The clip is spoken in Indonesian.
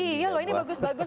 iya loh ini bagus bagus